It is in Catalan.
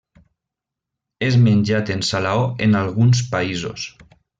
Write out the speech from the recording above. És menjat en salaó en alguns països.